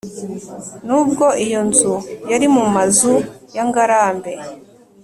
nubwo iyo nzu yari mu mazina ya ngarambe,